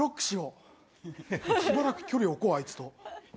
しばらく距離置こうあいつと。